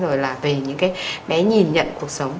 rồi là về những cái bé nhìn nhận cuộc sống